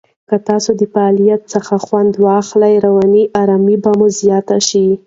که تاسو د فعالیت څخه خوند واخلئ، رواني آرامۍ به زیاته شي.